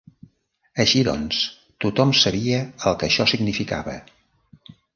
Així doncs, tothom sabia el que això significava.